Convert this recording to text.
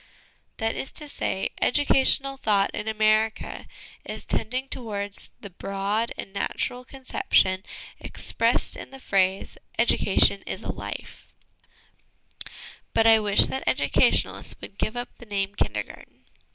That is to say, educational thought in America is tending towards the broad and natural conception expressed in the phrase ' educa tion is a life/ But I wish that educationalists would give up the name Kindergarten.